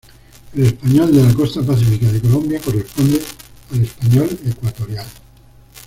El español de la costa pacífica de Colombia corresponde al español ecuatorial.